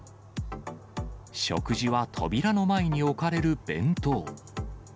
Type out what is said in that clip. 食事は扉の前に置かれる弁当。